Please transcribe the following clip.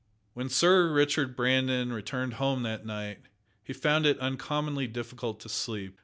When Sir Richard Brandon returned home that night, he found it uncommonly difficult to sleep.